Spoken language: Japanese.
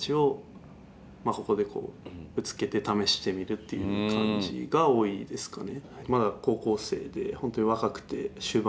っていう感じが多いですかね。